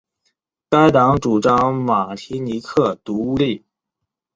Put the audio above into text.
该党主张马提尼克独立。